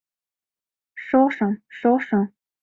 Шошо, шошо!